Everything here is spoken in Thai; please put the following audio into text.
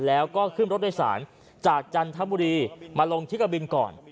แล้วก็ขึ้นรถโดยสารจากจันทบุรีมาลงที่กะบินก่อน